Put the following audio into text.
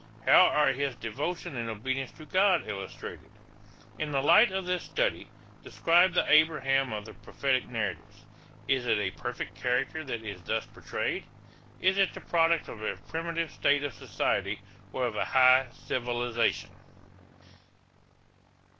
How are his devotion and obedience to God illustrated? In the light of this study describe the Abraham of the prophetic narratives. Is it a perfect character that is thus portrayed? Is it the product of a primitive state of society or of a high civilization?